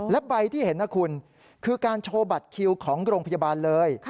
และใบที่เห็นนะคุณคือการโชว์บัตรคิวของโรงพยาบาลเลย